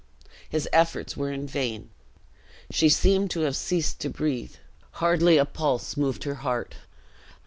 His efforts were in vain; she seemed to have ceased to breathe; hardly a pulse moved her heart.